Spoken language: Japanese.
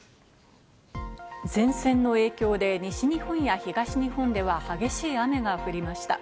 前線の影響で西日本や東日本では激しい雨が降りました。